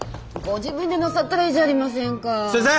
ご自分でなさったらいいじゃありませんか。